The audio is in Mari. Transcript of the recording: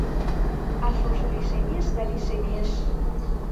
А шошо лишемеш да лишемеш.